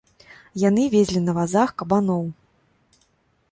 Яны везлі на вазах кабаноў.